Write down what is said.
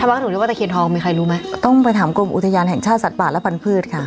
ทำไมถึงว่าตะเคียนทองมีใครรู้ไหมต้องไปถามกรมอุทยานแห่งชาติสัดบารและปันพืชค่ะ